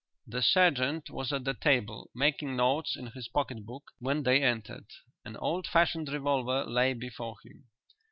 The sergeant was at the table, making notes in his pocket book, when they entered. An old fashioned revolver lay before him.